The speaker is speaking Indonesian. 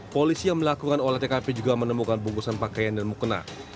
polisi yang melakukan olah tkp juga menemukan bungkusan pakaian dan mukena